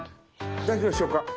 大丈夫でしょうか。